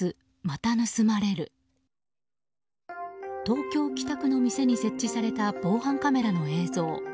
東京・北区の店に設置された防犯カメラの映像。